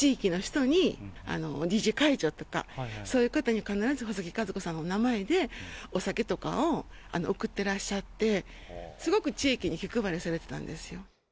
地域の人ね、自治会長とか、必ず細木数子さんの名前で、お酒とかを送ってらっしゃって、すごく地域に気配りされてたんですよ。